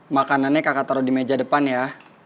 makanannya kakak taro dimeja depan ya